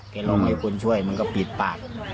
ร้องให้คนช่วยมันก็ปิดปาก